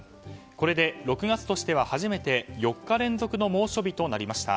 これで６月としては初めて４日連続の猛暑日となりました。